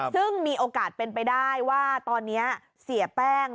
ซึ่งมีโอกาสเป็นไปได้ว่าตอนนี้เสียแป้ง